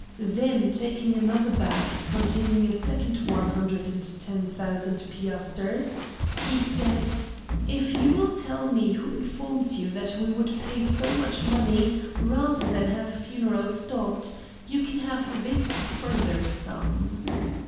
Then taking another bag containing a second one hundred and ten thousand piasters, he said: "If you will tell me who informed you that we would pay so much money rather than have a funeral stopped, you can have this further sum."